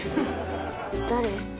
誰？